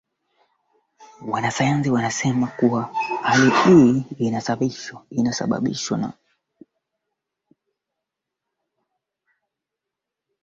Rascal Skepta Charli Calvin Harris Stormzy Jax Jones Felix Jaehn Nena Kay One Alex